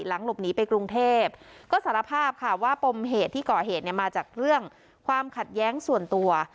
หลังหลบหนีไปกรุงเทพก็สารภาพค่ะว่าปมเหตุที่ก่อเหตุเนี่ยมาจากเรื่องความขัดแย้งส่วนตัว